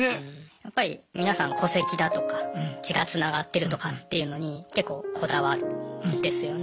やっぱり皆さん戸籍だとか血がつながってるとかっていうのに結構こだわるんですよね。